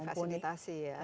dan harus difasilitasi ya